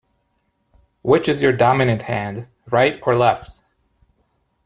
Which is your dominant hand, right or left?